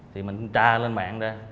thì mình tra lên mạng ra